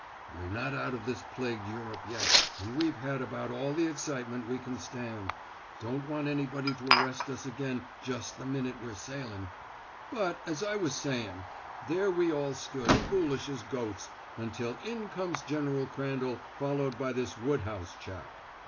"We're not out of this plagued Europe yet, and we've had about all the excitement we can stand; don't want anybody to arrest us again just the minute we're sailin'. But, as I was sayin', there we all stood, foolish as goats, until in comes General Crandall, followed by this Woodhouse chap.